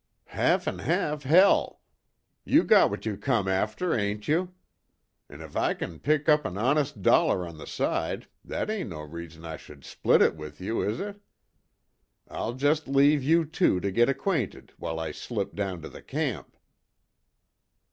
"Half an' half, hell! You got what you come after, ain't you? An' if I kin pick up an honest dollar on the side, that ain't no reason I should split it with you, is it? I'll jest leave you two to git acquainted while I slip down to the camp."